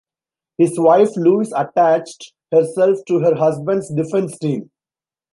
His wife Luise attached herself to her husband's defence team.